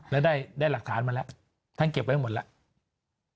และได้หลักฐานมาแล้วท่านเก็บไว้หมดแล้ว